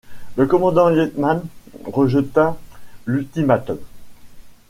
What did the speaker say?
Le commandant Liebmann rejeta l’ultimatum.